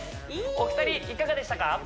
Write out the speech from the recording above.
お二人いかがでしたか？